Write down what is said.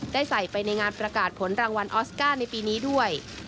ใส่ไปในงานประกาศผลรางวัลออสการ์ในปีนี้ด้วย